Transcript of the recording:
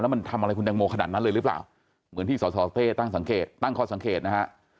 มันทำอะไรคุณแตงโมขนาดนั้นเลยหรือเปล่าเหมือนที่สสเต้ตั้งสังเกตตั้งข้อสังเกตนะฮะ